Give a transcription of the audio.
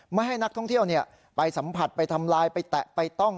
ไม่ให้นักท่องเที่ยวไปสัมผัสไปทำลายไปแตะไปต้อง